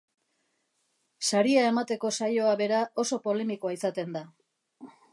Saria emateko saioa bera oso polemikoa izaten da.